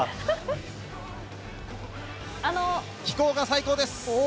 気候が最高です。